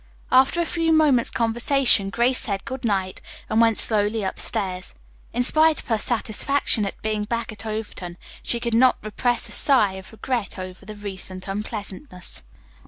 After a few moments' conversation Grace said good night and went slowly upstairs. In spite of her satisfaction at being back at Overton she could not repress a sigh of regret over the recent unpleasantness.